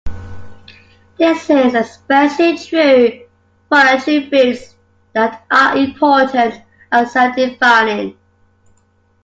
This is especially true for attributes that are important and self-defining.